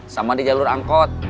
sama di jalur angkot